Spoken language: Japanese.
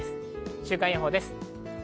週間予報です。